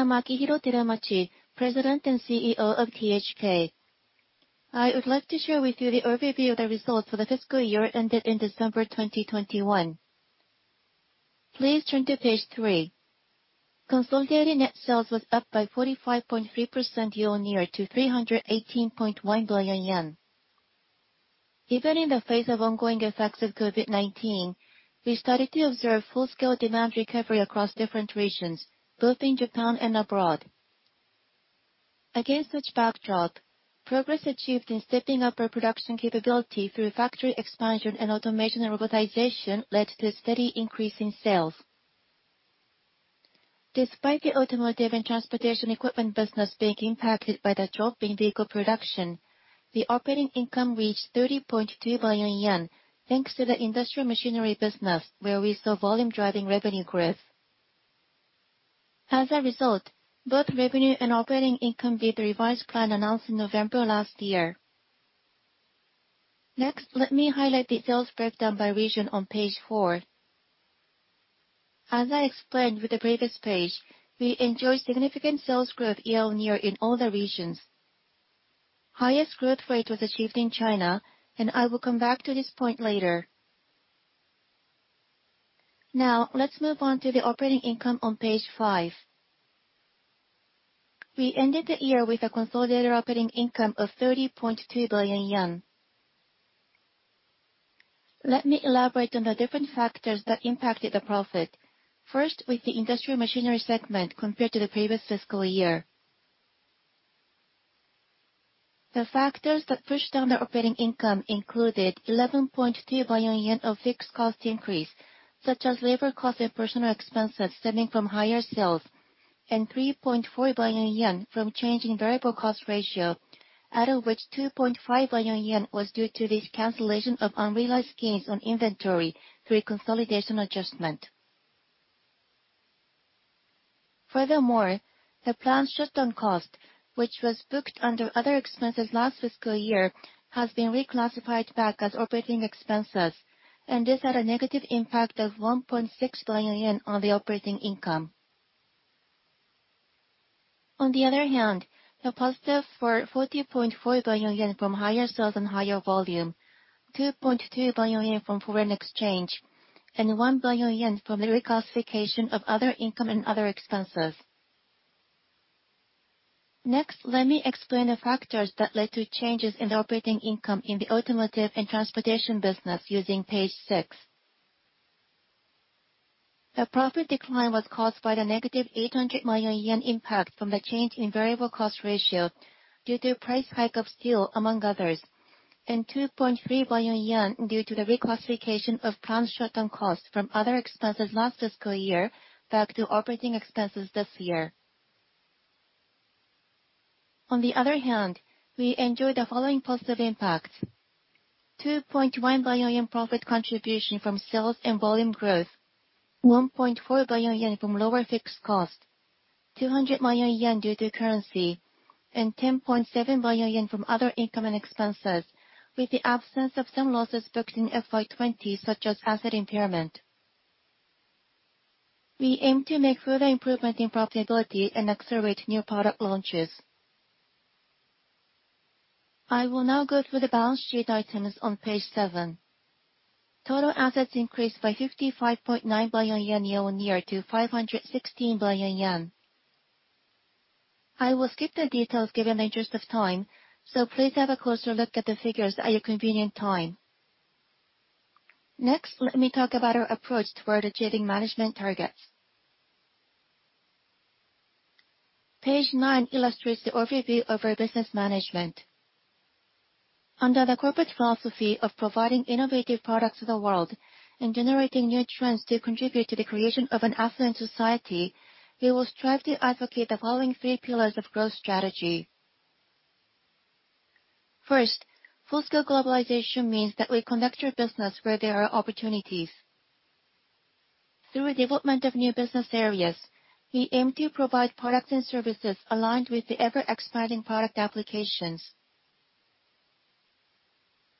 I am Akihiro Teramachi, President and CEO of THK. I would like to share with you the overview of the results for the fiscal year ended December 2021. Please turn to page 3. Consolidated net sales was up by 45.3% year-on-year to 318.1 billion yen. Even in the face of ongoing effects of COVID-19, we started to observe full-scale demand recovery across different regions, both in Japan and abroad. Against which backdrop, progress achieved in stepping up our production capability through factory expansion and automation and robotization led to a steady increase in sales. Despite the automotive and transportation equipment business being impacted by the drop in vehicle production, the operating income reached 30.2 billion yen, thanks to the industrial machinery business, where we saw volume driving revenue growth. As a result, both revenue and operating income beat the revised plan announced in November last year. Next, let me highlight the sales breakdown by region on page 4. As I explained with the previous page, we enjoy significant sales growth year-on-year in all the regions. Highest growth rate was achieved in China, and I will come back to this point later. Now, let's move on to the operating income on page 5. We ended the year with a consolidated operating income of 30.2 billion yen. Let me elaborate on the different factors that impacted the profit. First, with the industrial machinery segment compared to the previous fiscal year. The factors that pushed down the operating income included 11.2 billion yen of fixed cost increase, such as labor cost and personal expenses stemming from higher sales, and 3.4 billion yen from change in variable cost ratio, out of which 2.5 billion yen was due to the cancellation of unrealized gains on inventory through a consolidation adjustment. Furthermore, the plant shutdown cost, which was booked under other expenses last fiscal year, has been reclassified back as operating expenses, and this had a negative impact of 1.6 billion yen on the operating income. On the other hand, the positive for 40.4 billion yen from higher sales and higher volume, 2.2 billion yen from foreign exchange, and 1 billion yen from the reclassification of other income and other expenses. Next, let me explain the factors that led to changes in the operating income in the automotive and transportation business using page six. The profit decline was caused by the negative 800 million yen impact from the change in variable cost ratio due to price hike of steel, among others, and 2.3 billion yen due to the reclassification of plant shutdown costs from other expenses last fiscal year back to operating expenses this year. On the other hand, we enjoyed the following positive impact. 2.1 billion yen profit contribution from sales and volume growth, 1.4 billion yen from lower fixed cost, 200 million yen due to currency, and 10.7 billion yen from other income and expenses, with the absence of some losses booked in FY 2020, such as asset impairment. We aim to make further improvement in profitability and accelerate new product launches. I will now go through the balance sheet items on page 7. Total assets increased by 55.9 billion yen year-over-year to 516 billion yen. I will skip the details given the interest of time, so please have a closer look at the figures at your convenient time. Next, let me talk about our approach toward achieving management targets. Page 9 illustrates the overview of our business management. Under the corporate philosophy of providing innovative products to the world and generating new trends to contribute to the creation of an affluent society, we will strive to advocate the following three pillars of growth strategy. First, full-scale globalization means that we conduct our business where there are opportunities. Through the development of new business areas, we aim to provide products and services aligned with the ever-expanding product applications.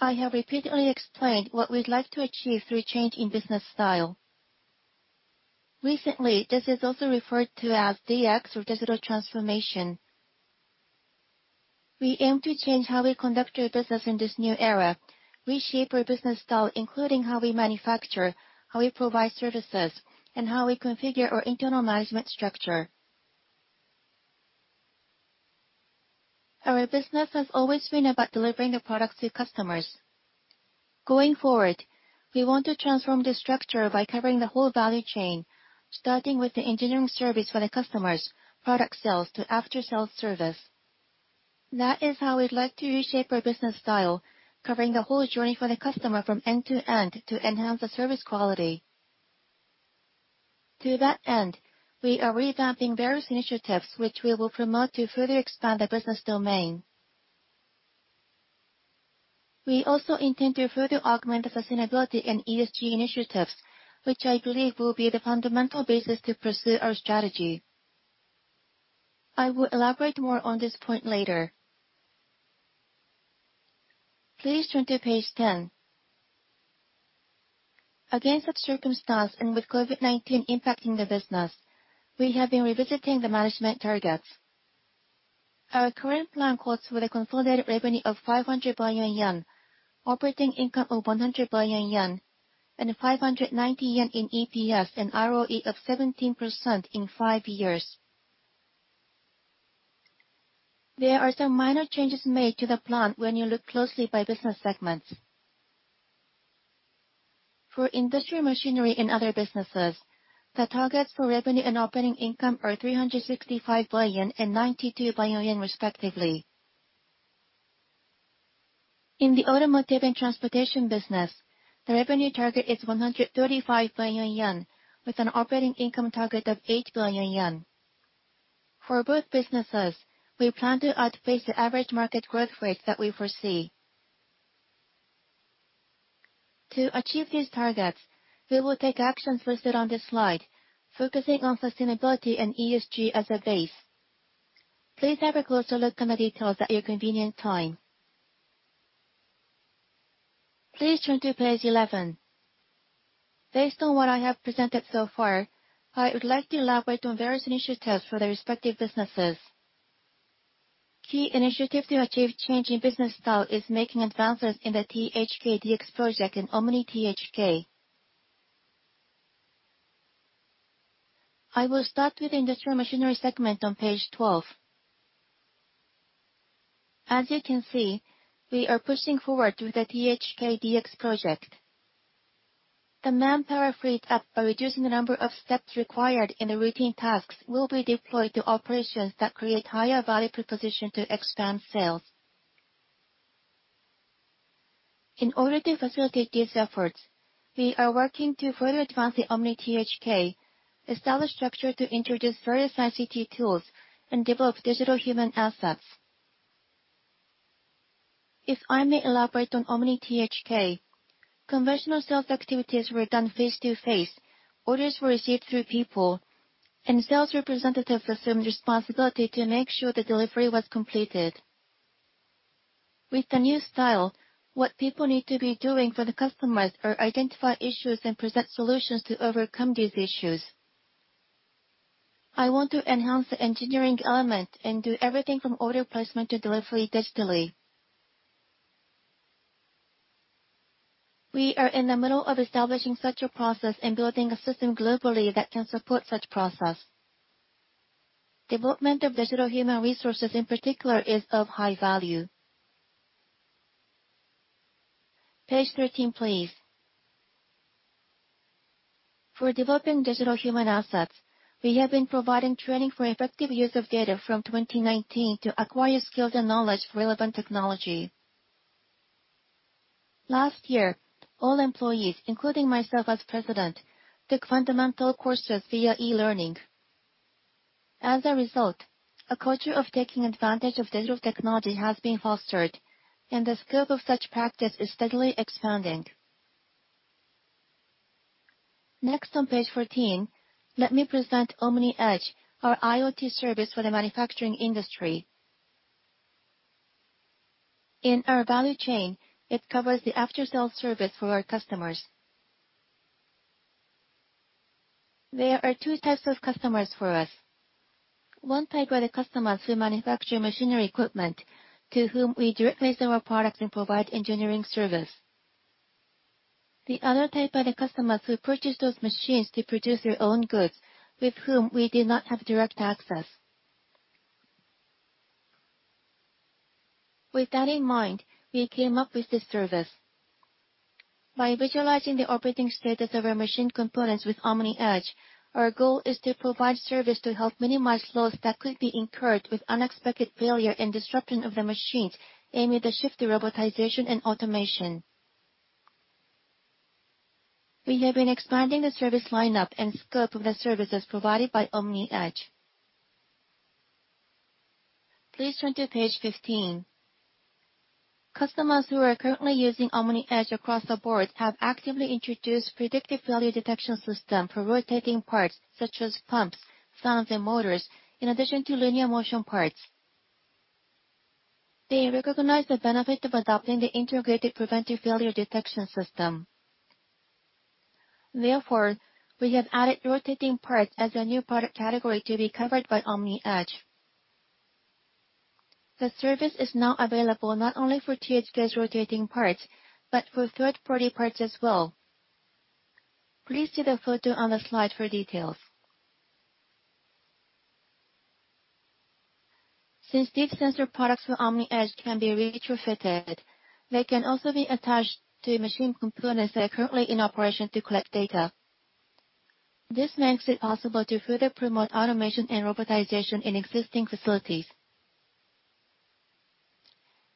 I have repeatedly explained what we'd like to achieve through change in business style. Recently, this is also referred to as DX or digital transformation. We aim to change how we conduct our business in this new era, reshape our business style, including how we manufacture, how we provide services, and how we configure our internal management structure. Our business has always been about delivering the products to customers. Going forward, we want to transform the structure by covering the whole value chain, starting with the engineering service for the customers, product sales to after-sales service. That is how we'd like to reshape our business style, covering the whole journey for the customer from end to end to enhance the service quality. To that end, we are revamping various initiatives which we will promote to further expand the business domain. We also intend to further augment the sustainability and ESG initiatives, which I believe will be the fundamental basis to pursue our strategy. I will elaborate more on this point later. Please turn to page ten. Against such circumstances, and with COVID-19 impacting the business, we have been revisiting the management targets. Our current plan calls for the consolidated revenue of 500 billion yen, operating income of 100 billion yen, and 590 yen in EPS, and ROE of 17% in five years. There are some minor changes made to the plan when you look closely by business segments. For industrial machinery and other businesses, the targets for revenue and operating income are 365 billion and 92 billion respectively. In the automotive and transportation business, the revenue target is 135 billion yen, with an operating income target of 8 billion yen. For both businesses, we plan to outpace the average market growth rates that we foresee. To achieve these targets, we will take actions listed on this slide, focusing on sustainability and ESG as a base. Please have a closer look at the details at your convenient time. Please turn to page 11. Based on what I have presented so far, I would like to elaborate on various initiatives for the respective businesses. Key initiative to achieve change in business style is making advances in the THK DX project and Omni THK. I will start with the industrial machinery segment on page 12. As you can see, we are pushing forward with the THK DX project. The manpower freed up by reducing the number of steps required in the routine tasks will be deployed to operations that create higher value proposition to expand sales. In order to facilitate these efforts, we are working to further advance the Omni THK, establish structure to introduce various ICT tools, and develop digital human assets. If I may elaborate on Omni THK, conventional sales activities were done face-to-face. Orders were received through people, and sales representatives assumed responsibility to make sure the delivery was completed. With the new style, what people need to be doing for the customers is to identify issues and present solutions to overcome these issues. I want to enhance the engineering element and do everything from order placement to delivery digitally. We are in the middle of establishing such a process and building a system globally that can support such process. Development of digital human resources in particular is of high value. Page 13, please. For developing digital human assets, we have been providing training for effective use of data from 2019 to acquire skills and knowledge of relevant technology. Last year, all employees, including myself as President, took fundamental courses via e-learning. As a result, a culture of taking advantage of digital technology has been fostered, and the scope of such practice is steadily expanding. Next on page 14, let me present OMNIedge, our IoT service for the manufacturing industry. In our value chain, it covers the after-sale service for our customers. There are two types of customers for us. One type are the customers who manufacture machinery equipment, to whom we directly sell our products and provide engineering service. The other type are the customers who purchase those machines to produce their own goods, with whom we do not have direct access. With that in mind, we came up with this service. By visualizing the operating status of our machine components with OMNIedge, our goal is to provide service to help minimize loss that could be incurred with unexpected failure and disruption of the machines, aiming to shift to robotization and automation. We have been expanding the service line-up and scope of the services provided by OMNIedge. Please turn to page 15. Customers who are currently using OMNIedge across the board have actively introduced predictive failure detection system for rotating parts such as pumps, fans, and motors, in addition to linear motion parts. They recognize the benefit of adopting the integrated preventive failure detection system. Therefore, we have added rotating parts as a new product category to be covered by OMNIedge. The service is now available not only for THK's rotating parts, but for third-party parts as well. Please see the photo on the slide for details. Since these sensor products for OMNIedge can be retrofitted, they can also be attached to machine components that are currently in operation to collect data. This makes it possible to further promote automation and robotization in existing facilities.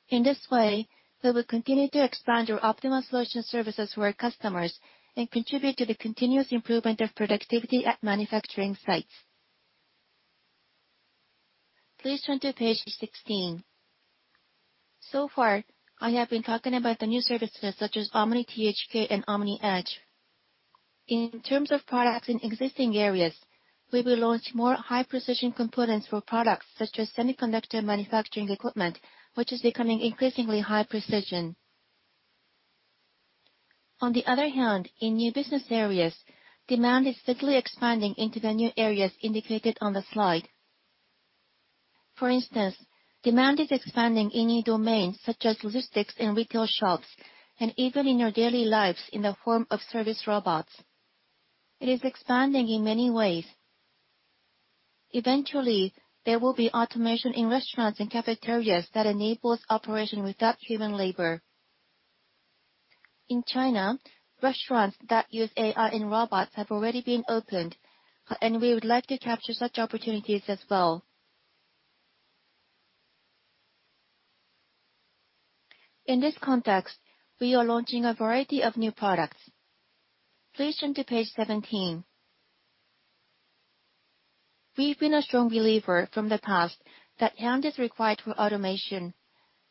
In this way, we will continue to expand our optimal solution services for our customers and contribute to the continuous improvement of productivity at manufacturing sites. Please turn to page 16. So far, I have been talking about the new services such as Omni THK and OMNIedge. In terms of products in existing areas, we will launch more high-precision components for products such as semiconductor manufacturing equipment, which is becoming increasingly high precision. On the other hand, in new business areas, demand is steadily expanding into the new areas indicated on the slide. For instance, demand is expanding in new domains such as logistics and retail shops, and even in our daily lives in the form of service robots. It is expanding in many ways. Eventually, there will be automation in restaurants and cafeterias that enables operation without human labor. In China, restaurants that use AI and robots have already been opened, and we would like to capture such opportunities as well. In this context, we are launching a variety of new products. Please turn to page 17. We've been a strong believer from the past that hand is required for automation.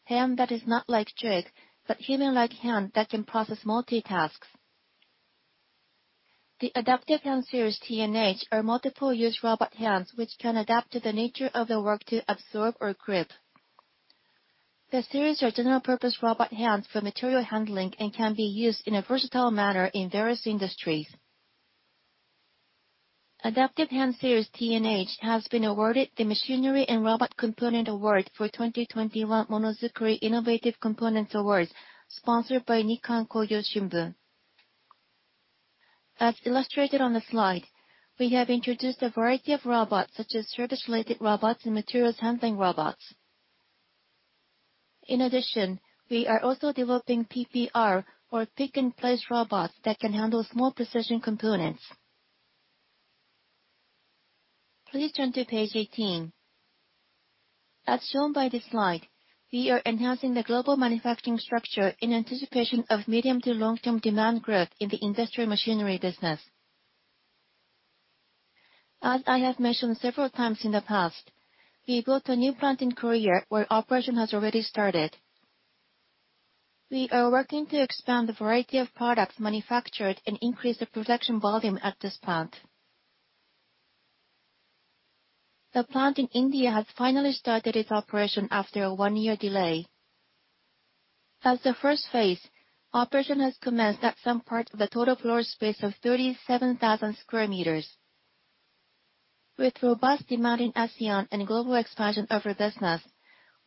Hand that is not like jig, but human-like hand that can process multitasks. The adaptive hand series TNH are multiple-use robot hands which can adapt to the nature of the work to absorb or grip. The series are general-purpose robot hands for material handling and can be used in a versatile manner in various industries. Adaptive hand series TNH has been awarded the Machinery and Robot Component Award for 2021 Monozukuri Innovative Components Awards, sponsored by Nikkan Kogyo Shimbun. As illustrated on the slide, we have introduced a variety of robots such as service-related robots and materials handling robots. In addition, we are also developing PPR, or pick-and-place robots, that can handle small precision components. Please turn to page 18. As shown by this slide, we are enhancing the global manufacturing structure in anticipation of medium- to long-term demand growth in the industrial machinery business. I have mentioned several times in the past, we built a new plant in Korea, where operation has already started. We are working to expand the variety of products manufactured and increase the production volume at this plant. The plant in India has finally started its operation after a one-year delay. As the first phase, operation has commenced at some part of the total floor space of 37,000 sq m. With robust demand in ASEAN and global expansion of our business,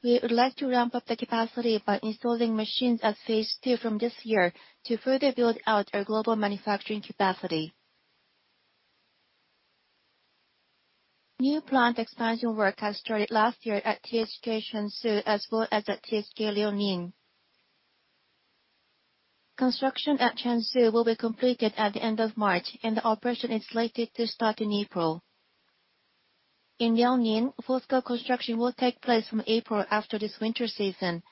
we would like to ramp up the capacity by installing machines at phase two from this year to further build out our global manufacturing capacity. New plant expansion work has started last year at THK Changzhou as well as at THK Liaoning. Construction at Changzhou will be completed at the end of March, and the operation is slated to start in April. In Liaoning, full-scale construction will take place from April after this winter season,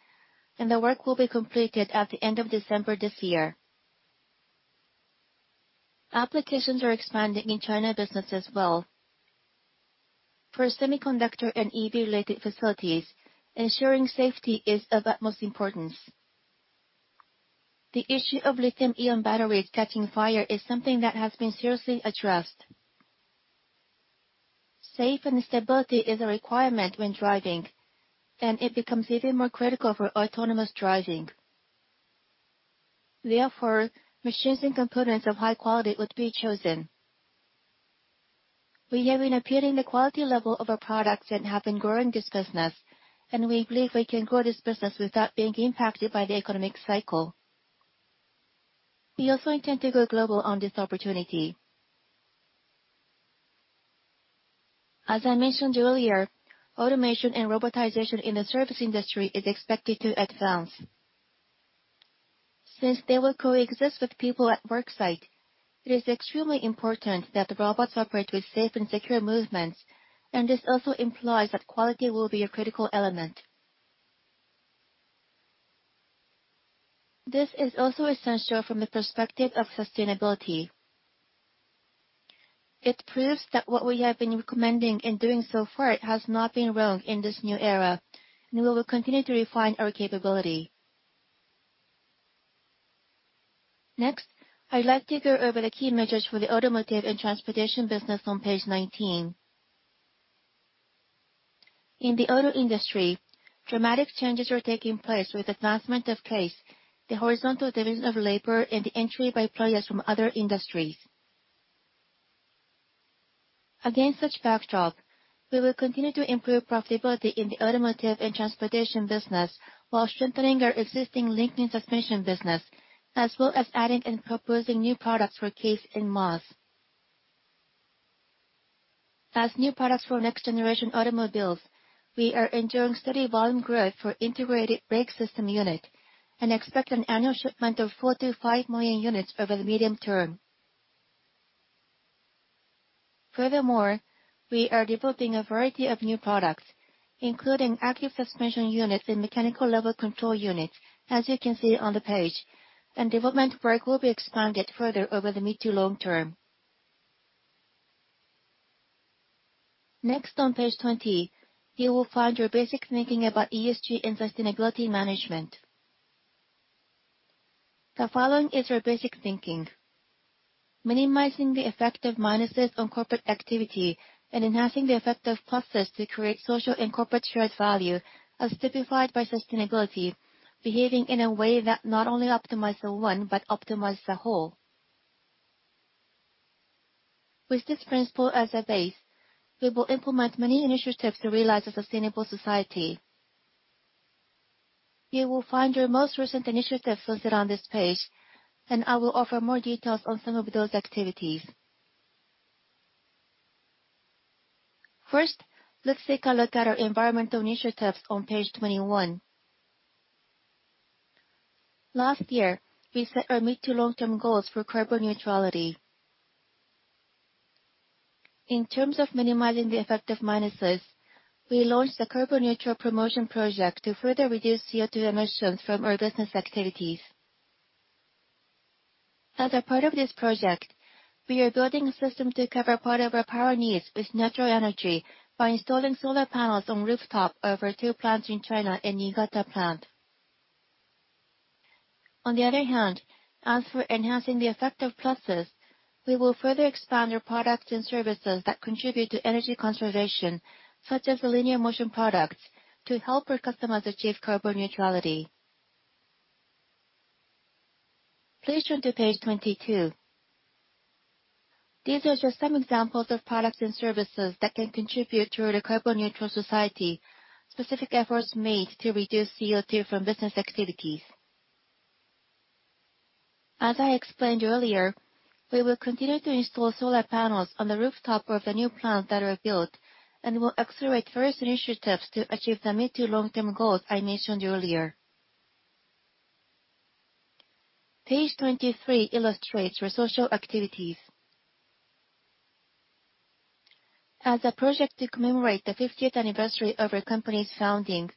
and the work will be completed at the end of December this year. Applications are expanding in China business as well. For semiconductor and EV-related facilities, ensuring safety is of utmost importance. The issue of lithium-ion batteries catching fire is something that has been seriously addressed. Safety and stability is a requirement when driving, and it becomes even more critical for autonomous driving. Therefore, machines and components of high quality would be chosen. We have been appealing the quality level of our products and have been growing this business, and we believe we can grow this business without being impacted by the economic cycle. We also intend to go global on this opportunity. As I mentioned earlier, automation and robotization in the service industry is expected to advance. Since they will coexist with people at work site, it is extremely important that the robots operate with safe and secure movements, and this also implies that quality will be a critical element. This is also essential from the perspective of sustainability. It proves that what we have been recommending and doing so far has not been wrong in this new era, and we will continue to refine our capability. Next, I'd like to go over the key measures for the automotive and transportation business on page 19. In the auto industry, dramatic changes are taking place with advancement of CASE, the horizontal division of labor, and the entry by players from other industries. Against such backdrop, we will continue to improve profitability in the automotive and transportation business while strengthening our existing link and suspension business, as well as adding and proposing new products for CASE and MaaS. As new products for next-generation automobiles, we are enjoying steady volume growth for integrated brake system unit and expect an annual shipment of 4-5 million units over the medium term. Furthermore, we are developing a variety of new products, including active suspension units and mechanical level control units, as you can see on the page, and development work will be expanded further over the mid- to long-term. Next on page 20, you will find your basic thinking about ESG and sustainability management. The following is our basic thinking. Minimizing the effect of minuses on corporate activity and enhancing the effect of pluses to create social and corporate shared value as specified by sustainability, behaving in a way that not only optimizes the one, but optimizes the whole. With this principle as a base, we will implement many initiatives to realize a sustainable society. You will find your most recent initiatives listed on this page, and I will offer more details on some of those activities. First, let's take a look at our environmental initiatives on page 21. Last year, we set our mid to long-term goals for carbon neutrality. In terms of minimizing the effect of minuses, we launched the carbon-neutral promotion project to further reduce CO2 emissions from our business activities. As a part of this project, we are building a system to cover part of our power needs with natural energy by installing solar panels on rooftop of our two plants in China and Niigata plant. On the other hand, as for enhancing the effect of pluses, we will further expand our products and services that contribute to energy conservation, such as the linear motion products to help our customers achieve carbon neutrality. Please turn to page 22. These are just some examples of products and services that can contribute to the carbon-neutral society, specific efforts made to reduce CO2 from business activities. As I explained earlier, we will continue to install solar panels on the rooftop of the new plant that are built and will accelerate various initiatives to achieve the mid- to long-term goals I mentioned earlier. Page 23 illustrates our social activities. As a project to commemorate the fiftieth anniversary of our company's founding,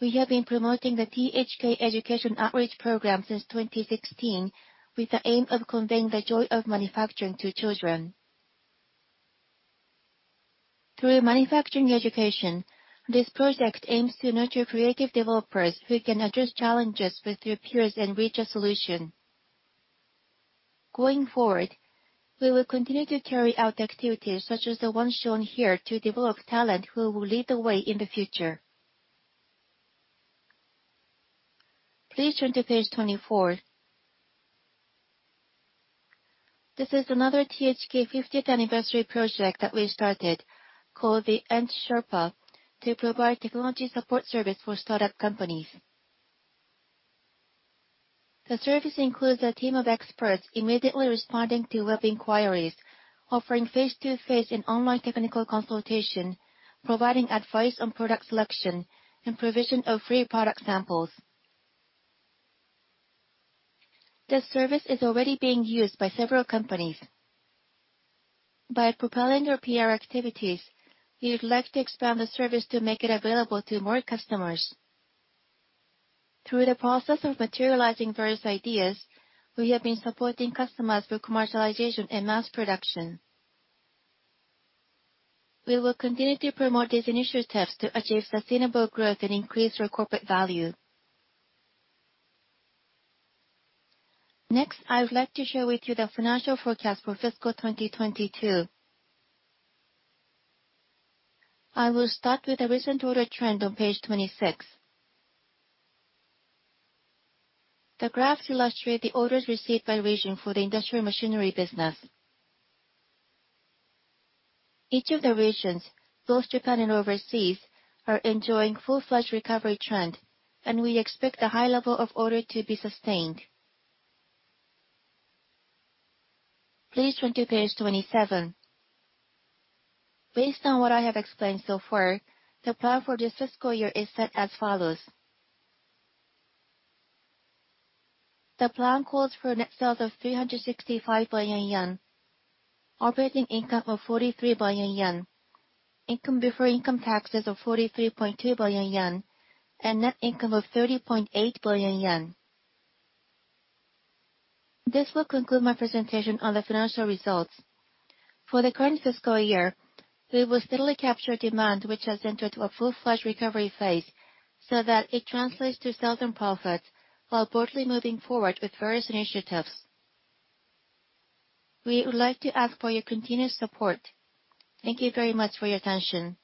we have been promoting the THK Education Outreach program since 2016 with the aim of conveying the joy of manufacturing to children. Through manufacturing education, this project aims to nurture creative developers who can address challenges with their peers and reach a solution. Going forward, we will continue to carry out activities such as the ones shown here to develop talent who will lead the way in the future. Please turn to page 24. This is another THK fiftieth anniversary project that we started called the Entrepreneur Sherpa to provide technology support service for startup companies. The service includes a team of experts immediately responding to web inquiries, offering face-to-face and online technical consultation, providing advice on product selection, and provision of free product samples. This service is already being used by several companies. By propelling our PR activities, we would like to expand the service to make it available to more customers. Through the process of materializing various ideas, we have been supporting customers for commercialization and mass production. We will continue to promote these initiatives to achieve sustainable growth and increase our corporate value. Next, I would like to share with you the financial forecast for fiscal 2022. I will start with the recent order trend on page 26. The graphs illustrate the orders received by region for the industrial machinery business. Each of the regions, both Japan and overseas, are enjoying full-fledged recovery trend, and we expect a high level of order to be sustained. Please turn to page 27. Based on what I have explained so far, the plan for this fiscal year is set as follows. The plan calls for net sales of 365 billion yen, operating income of 43 billion yen, income before income taxes of 43.2 billion yen, and net income of 30.8 billion yen. This will conclude my presentation on the financial results. For the current fiscal year, we will steadily capture demand, which has entered a full-fledged recovery phase, so that it translates to sales and profits while broadly moving forward with various initiatives. We would like to ask for your continued support. Thank you very much for your attention.